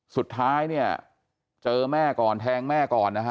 สุดท้ายเนี่ยเจอแม่ก่อนแทงแม่ก่อนนะฮะ